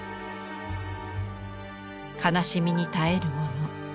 悲しみに耐える者。